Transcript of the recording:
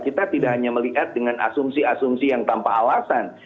kita tidak hanya melihat dengan asumsi asumsi yang tanpa alasan